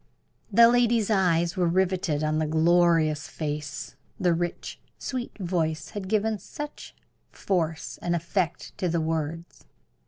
The lady's eyes were riveted on the glorious face; the rich, sweet voice had given such force and effect to the words.